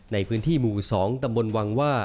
ในพื้นที่หมู่๒ตำบลวังว่า